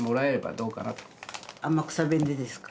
天草弁でですか？